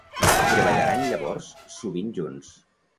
Treballaran llavors sovint junts.